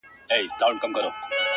هغه د ساه کښلو لپاره جادوگري غواړي!!